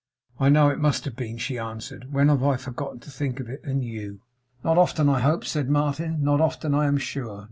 'I know it must have been,' she answered. 'When have I forgotten to think of it and you?' 'Not often, I hope,' said Martin. 'Not often, I am sure.